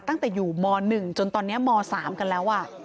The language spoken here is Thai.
ตั้งแต่อยู่ม๑จนตอนนี้ม๓กันแล้ว